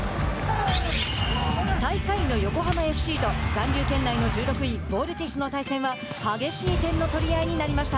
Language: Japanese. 最下位の横浜ＦＣと残留圏内の１６位ヴォルティスの対戦は激しい点の取り合いになりました。